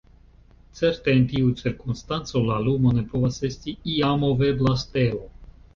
Certe en tiu cirkonstanco la lumo ne povas esti ia movebla stelo.